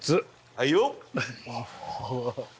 はいよ！